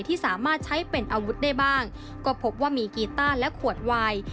ที่สามารถใช้เป็นอาวุธได้บ้างก็พบว่ามีกีต้าและขวดวาย